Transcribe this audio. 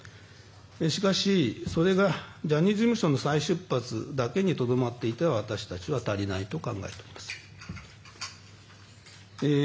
しかし、それがジャニーズ事務所の再出発だけにとどまっていては私たちは足りないと考えております。